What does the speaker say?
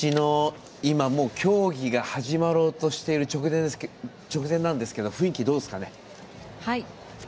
もう競技が始まろうとしている直前なんですけど雰囲気、どうですかね？